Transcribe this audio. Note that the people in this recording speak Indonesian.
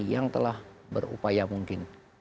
yang telah berupaya mungkin